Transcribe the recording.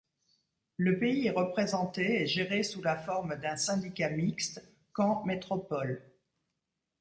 Le pays est représenté et géré sous la forme d'un syndicat mixte, Caen métropole.